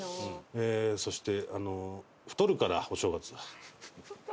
そして太るからお正月は。